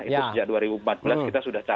itu sejak dua ribu empat belas kita sudah